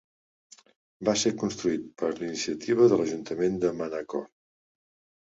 Va ser construït per iniciativa de l'Ajuntament de Manacor.